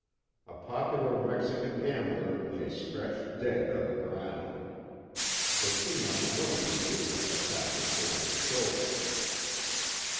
A popular Mexican gambler lay stretched dead on the ground. The peon willingly gave up the sack of gold and silver.